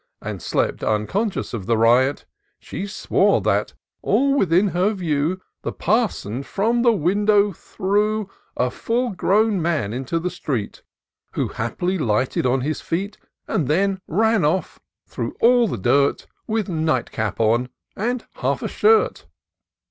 And slept, unconscious of the riot, She swore that, all within her view. The Parson from the window threw A full grown man into the street. Who haply lighted on his feet. And then ran off through all the dirt. With night cap on, and half a shirt.